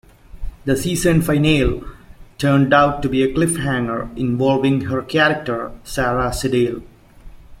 The season finale turned out to be a cliffhanger involving her character, Sara Sidle.